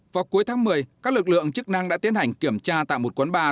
vào cuối tháng một mươi các lực lượng chức năng đã tiến hành kiểm tra tại một quán bar